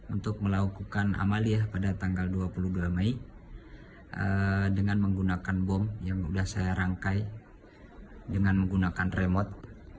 untuk melakukan amaliyah pada tanggal dua puluh dua mei dengan menggunakan bom yang sudah saya rangkai dengan menggunakan remote